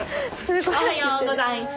おはようございます。